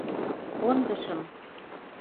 — Кондышым!